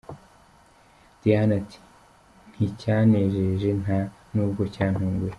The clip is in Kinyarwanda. Diane ati “Nticyanejeje nta n’ubwo cyantunguye…”